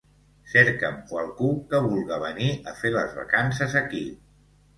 Cercam qualcú que vulga venir a fer les vacances aquí.